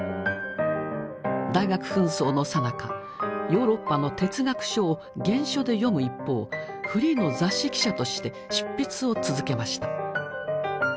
大学紛争のさなかヨーロッパの哲学書を原書で読む一方フリーの雑誌記者として執筆を続けました。